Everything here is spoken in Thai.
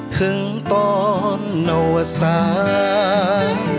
ถึงตอนอวสาร